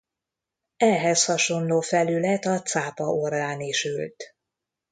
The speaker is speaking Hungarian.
Ehhez hasonló felület a cápa orrán is ült.